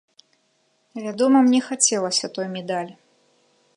Вядома, мне хацелася той медаль.